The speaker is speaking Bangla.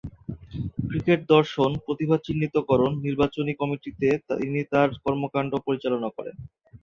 ক্রিকেট দর্শন, প্রতিভা চিহ্নিতকরণ, নির্বাচনী কমিটিতে তিনি তাঁর কর্মকাণ্ড পরিচালনা করেন।